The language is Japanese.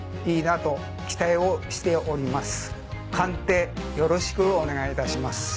鑑定よろしくお願いいたします。